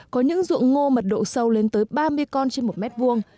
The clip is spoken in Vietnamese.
có những ruộng ngô mật độ sâu lên tới ba mươi con trên một mét vuông